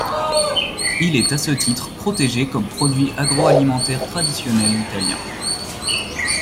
Il est, à ce titre, protégé comme produit agroalimentaire traditionnel italien.